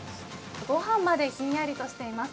ごはんまでひんやりとしています。